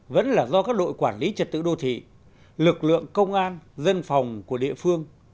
vẫn là do các đội quản lý trật tự đô thị lực lượng công an dân phòng của địa phương